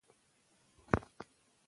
صبر انسان پخوي.